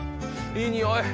いい匂い！